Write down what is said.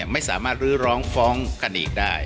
ไม่สามารถลื้อร้องฟ้องกันอีกได้